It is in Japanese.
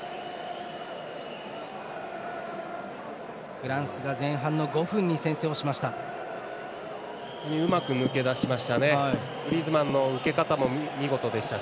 フランスが前半の５分に先制をしました。